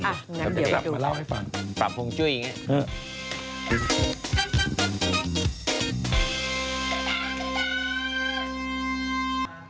อันนั้นเดี๋ยวดูนะปรับฝงจุ้ยอย่างนี้ปรับมาเล่าให้ฟัง